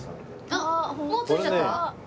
あっもう着いちゃった？